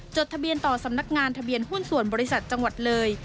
จดทะเบียนต่อสำนักงานทะเบียนหุ้นส่วนบริษัทจังหวัดเลย